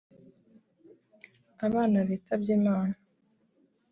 abana bitabye Imana